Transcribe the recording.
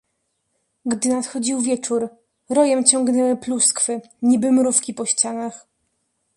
"Gdy nadchodził wieczór, rojem ciągnęły pluskwy, niby mrówki po ścianach."